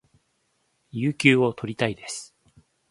有給を取りたいです